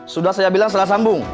sudah saya bilang salah sambung bu